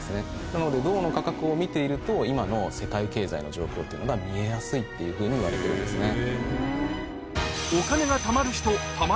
なので銅の価格を見ていると今の世界経済の状況というのが見えやすいっていうふうにいわれてるんですね。